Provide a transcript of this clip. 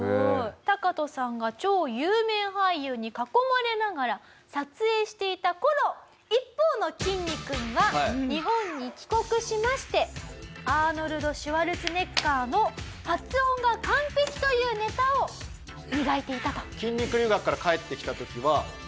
タカトさんが超有名俳優に囲まれながら撮影していた頃一方のきんに君は日本に帰国しましてアーノルド・シュワルツェネッガーの発音が完璧というネタを磨いていたと。